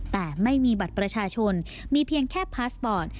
แต่ไม่มีบัตรประชาชนมีเพียงแค่พาสปอร์ต